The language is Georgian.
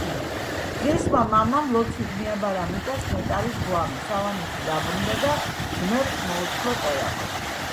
ღირსმა მამამ ლოცვით მიაბარა მიწას ნეტარის გვამი, სავანეში დაბრუნდა და ძმებს მოუთხრო ყველაფერი.